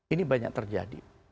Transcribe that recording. ini banyak terjadi